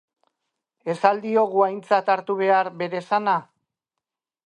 Ez al diogu aintzat hartu behar bere esana?